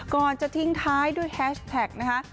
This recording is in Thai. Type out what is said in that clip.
ก่อนจะทิ้งท้ายด้วยแฮชแท็กนะคะ